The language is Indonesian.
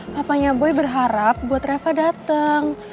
papanya boy berharap buat reva dateng